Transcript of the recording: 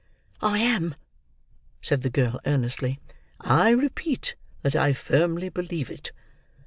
"I am," said the girl earnestly. "I repeat that I firmly believe it.